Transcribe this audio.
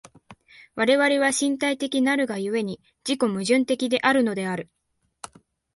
我々は身体的なるが故に、自己矛盾的であるのである。